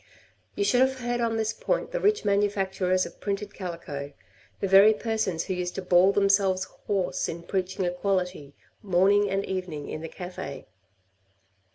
You should have heard on this point the rich manufacturers of printed calico, the very persons who used to bawl themselves hoarse in preaching equality, morning and evening in the cafe.